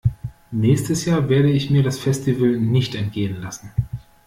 Nächstes Jahr werde ich mir das Festival nicht entgehen lassen.